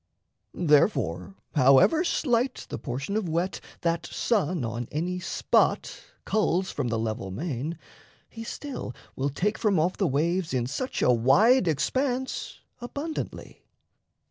Therefore, however slight The portion of wet that sun on any spot Culls from the level main, he still will take From off the waves in such a wide expanse Abundantly.